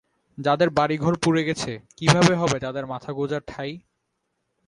যাঁদের বাড়িঘর পুড়ে গেছে, কীভাবে হবে তাঁদের মাথাগোঁজার ঠাঁই?